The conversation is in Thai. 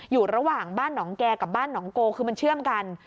อยู่ระหว่างบ้านหนองแก่กับบ้านหนองโกคือมันเชื่อมกัน